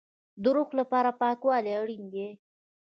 د روح لپاره پاکوالی اړین دی